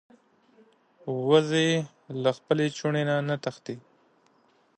وزې له خپل چوڼي نه نه تښتي